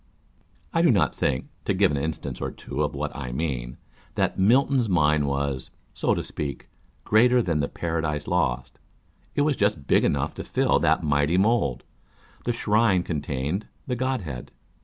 I do not think (to give an instance or two of what I mean) that Milton's mind was (so to speak) greater than the Paradise Lost ; it was just big enough to fill that mighty mould ; the shrine contained the Godhead.